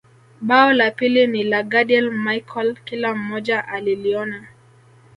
Bao la pili ni la Gadiel Michael kila mmoja aliliona